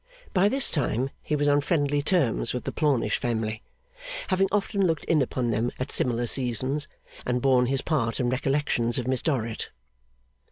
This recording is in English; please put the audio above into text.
By this time he was on friendly terms with the Plornish family, having often looked in upon them at similar seasons, and borne his part in recollections of Miss Dorrit.